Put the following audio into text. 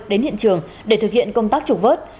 đến hiện trường để thực hiện công tác trục vớt